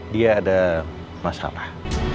dia ada masalah